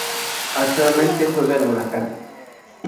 Actualmente, juega en Huracán.